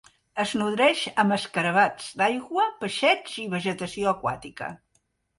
Es nodreix amb escarabats d'aigua, peixets i vegetació aquàtica.